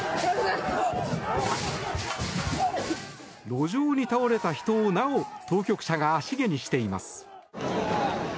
路上に倒れた人をなお当局者が足蹴にしています。